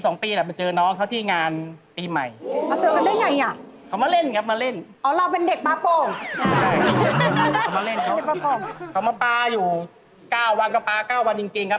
ตรงนี้ลูกลูกเด็กเนอะ